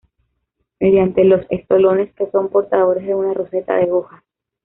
Mediante los estolones que son portadores de una roseta de hojas.